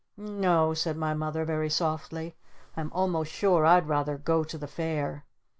"N o," said my Mother very softly, "I'm almost sure I'd rather 'go to the Fair'!